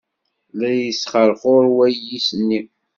La yesxerxur wayis-nni.